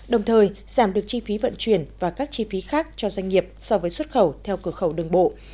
đồng thời giảm được chi phí vận chuyển và các chi phí khác cho doanh nghiệp so với xuất khẩu theo cửa khẩu đường bộ